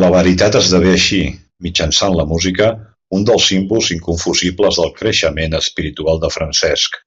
La veritat esdevé així, mitjançant la música, un dels símbols inconfusibles del creixement espiritual de Francesc.